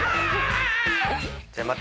じゃあまた。